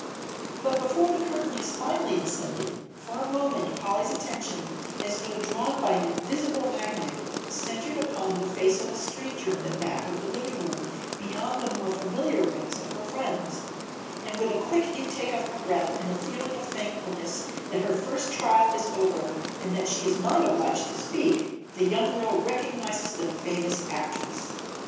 But before the curtain has finally descended, for a moment Polly's attention, as though drawn by an invisible magnet, centered upon the face of a stranger in the back of the living room beyond the more familiar ranks of her friends; and with a quick intake of her breath and a feeling of thankfulness that her first trial is over and that she is not obliged to speak, the young girl recognizes the famous actress.